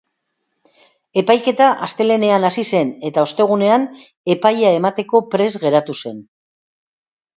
Epaiketa astelehenean asi zen eta ostegunean epaia emateko prest geratu zen.